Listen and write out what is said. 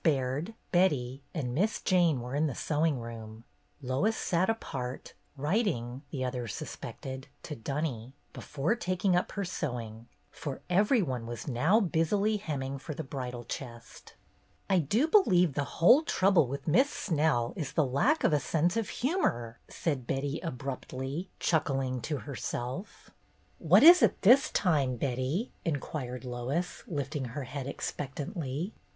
Baird, Betty, and Miss Jane were in the sewing room; Lois sat apart, writing, the others suspected, to Dunny, before taking up her sewing; for every one was now busily hemming for the bridal chest. 2o6 BETTY BAIRD'S GOLDEN YEAR ''I do believe the whole trouble with Miss Snell is the lack of a sense of humor/' said Betty, abruptly, chuckling to herself. ''What is it this time, Betty?" inquired Lois, lifting her head expectantly.